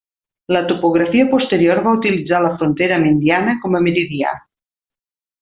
La topografia posterior va utilitzar la frontera amb Indiana com a meridià.